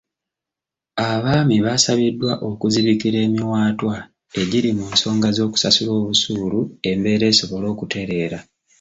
Abaami baasabiddwa okuzibikira emiwaatwa egiri mu nsonga z'okusasula obusuulu embeera esobole okutereera.